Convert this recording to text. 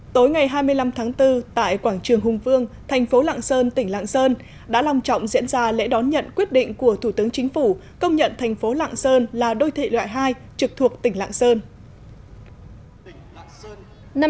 tối ngày hai mươi năm tháng bốn tại quảng trường hùng vương thành phố lạng sơn tỉnh lạng sơn đã lòng trọng diễn ra lễ đón nhận quyết định của thủ tướng chính phủ công nhận thành phố lạng sơn là đô thị loại hai trực thuộc tỉnh lạng sơn